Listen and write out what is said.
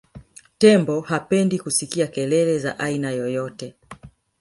tembo hapendi kusikia kelele za aina yoyote